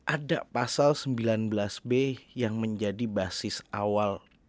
ada pasal sembilan belas b yang menjadi basis awal